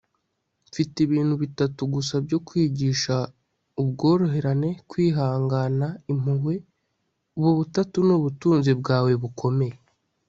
mfite ibintu bitatu gusa byo kwigisha ubworoherane, kwihangana, impuhwe. ubu butatu ni ubutunzi bwawe bukomeye